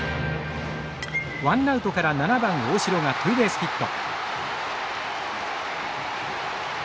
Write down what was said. ワンナウトから７番大城がツーベースヒット。